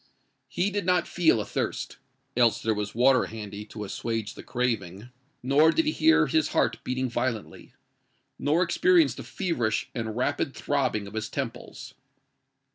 He did not feel athirst—else there was water handy to assuage the craving:—nor did he hear his heart beating violently, nor experience the feverish and rapid throbbing of his temples.